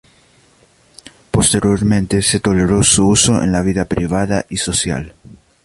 Posteriormente se toleró su uso en la vida privada y social.